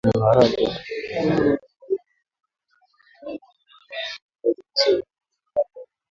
viazi lishe huliwa na namaharage